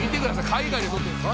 海外で撮ってるんです」